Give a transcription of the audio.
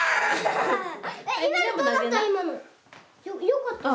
よかった？